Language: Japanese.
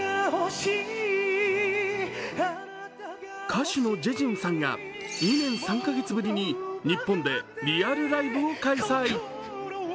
歌手のジェジュンさんが２年３カ月ぶりに日本でリアルライブを開催。